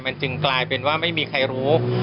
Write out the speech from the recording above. มันจึงกลายเป็นว่าไม่มีใครรู้